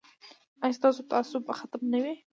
ایا ستاسو تعصب به ختم نه وي؟